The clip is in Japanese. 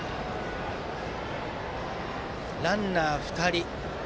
ランナーは２人。